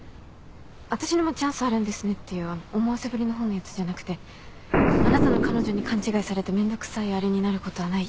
「私にもチャンスあるんですね」っていうあの思わせぶりな方のやつじゃなくて「あなたの彼女に勘違いされてめんどくさいあれになることはない。